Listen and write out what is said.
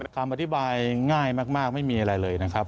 คำอธิบายง่ายมากไม่มีอะไรเลยนะครับ